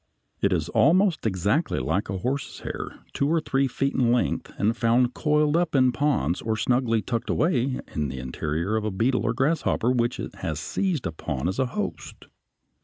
It is almost exactly like a horse's hair, two or three feet in length, and found coiled up in ponds or snugly tucked away in the interior of a beetle or grasshopper which it has seized upon as a host.